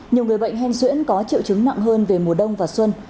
nhiều người bệnh hen xuyễn có triệu chứng nặng hơn về mùa đông và xuân